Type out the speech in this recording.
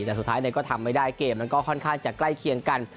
แต่สุดท้ายกำลังทำไม่ได้เกมค่อนข้างจะใกล้เคียงกัน